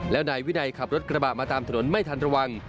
แล้วนายวินัยขับรถกระบะมาตามถนนไม่ทันระวัง